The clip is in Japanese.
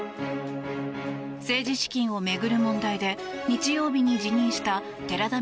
政治資金を巡る問題で日曜日に辞任した寺田稔